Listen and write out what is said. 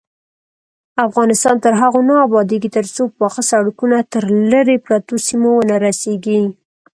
افغانستان تر هغو نه ابادیږي، ترڅو پاخه سړکونه تر لیرې پرتو سیمو ونه رسیږي.